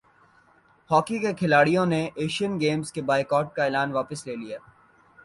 hockey کےکھلاڑیوں نے Asian Games کے بائیکاٹ کا اعلان واپس لے لیا